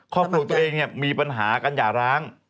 ครอบครัวตัวเองเนี่ยมีปัญหากันอย่าร้าง